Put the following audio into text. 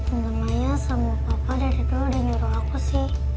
enggak maya sama papa dari itu udah nyuruh aku sih